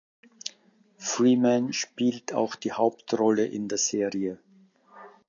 Freeman spielt auch die Hauptrolle in der Serie.